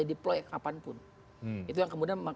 deploy kapanpun itu yang kemudian